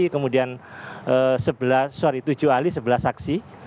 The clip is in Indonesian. kemudian sebelas sorry tujuh ahli sebelas saksi